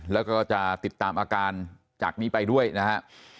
แล้วก็จะติดตามอาการจากนี้ไปด้วยนะฮะ